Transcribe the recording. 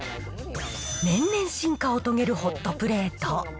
年々進化を遂げるホットプレート。